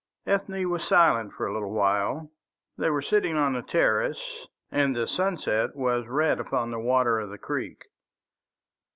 Ethne was silent for a little while. They were sitting on the terrace, and the sunset was red upon the water of the creek.